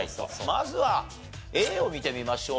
まずはＡを見てみましょうか。